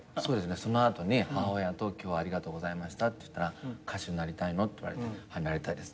その後に母親と今日はありがとうございましたっていったら「歌手になりたいの？」って言われてなりたいですって言ったら名刺を。